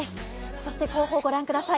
そして後方御覧ください